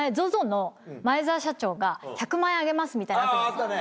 ああったね。